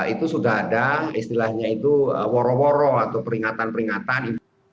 itu sudah ada istilahnya itu woro woro atau peringatan peringatan